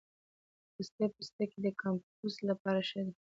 د پستې پوستکی د کمپوسټ لپاره ښه دی؟